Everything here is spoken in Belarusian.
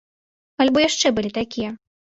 Альбо яшчэ былі такія?